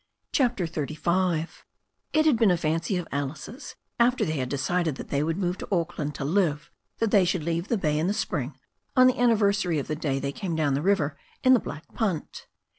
*' k CHAPTER XXXV IT had been a fancy of Alice's, after they had decided that they would move to Auckland to live, that they should leave the bay in the spring, on the anniversary of the day they came down the river in the black punt.